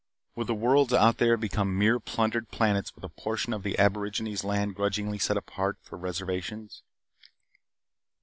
Would the worlds out there become mere plundered planets with a portion of the aborigines' land grudgingly set apart for reservations?